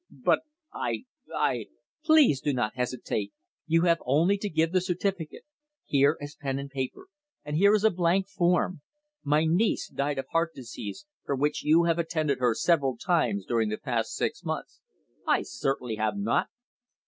"But I I " "Please do not hesitate. You have only to give the certificate. Here is pen and paper. And here is a blank form. My niece died of heart disease, for which you have attended her several times during the past six months." "I certainly have not!"